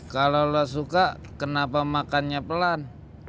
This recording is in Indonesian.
kalau lo suka kenapa makannya pelan